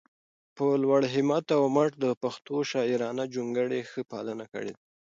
په لوړ همت او مټ د پښتو شاعرانه جونګړې ښه پالنه کړي ده